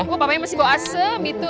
wah papanya masih bau asem itu